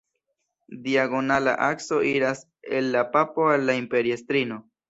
Diagonala akso iras el la papo al la imperiestrino.